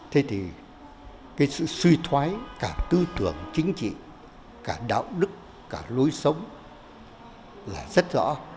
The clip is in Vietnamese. thế thì cái sự suy thoái cả tư tưởng chính trị cả đạo đức cả lối sống là rất rõ